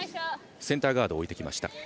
センターガードを置いてきました。